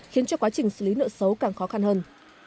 khiến cho quá trình xử lý nợ xấu càng khó khăn hơn